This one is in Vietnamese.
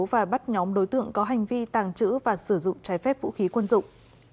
và bắt nhóm đối tượng có hành vi tàng trữ và sử dụng trái phép vũ khí quân dụng